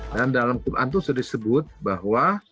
dan dalam quran itu sudah disebut bahwa